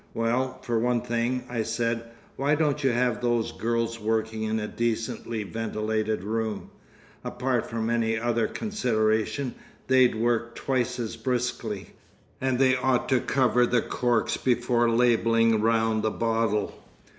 "Well, for one thing," I said, "why don't you have those girls working in a decently ventilated room? Apart from any other consideration, they'd work twice as briskly. And they ought to cover the corks before labelling round the bottle."